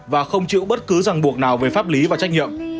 và không chịu bất cứ ràng buộc nào về pháp lý và trách nhiệm